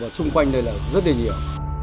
xung quanh đây là rất là nhiều